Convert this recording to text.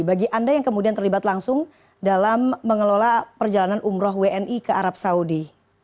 bagi anda yang kemudian terlibat langsung dalam mengelola perjalanan umroh wni ke arab saudi